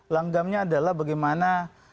langgamnya adalah bagaimana